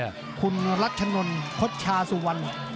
โดยเฉพาะคุณรัชนลโคชชาสุวรรณ